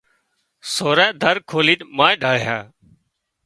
سورانئين در کولينَ مانئين ڍۯيا